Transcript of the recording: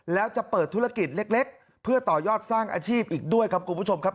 แล้วจะเปิดธุรกิจเล็กเพื่อต่อยอดสร้างอาชีพอีกด้วยครับคุณผู้ชมครับ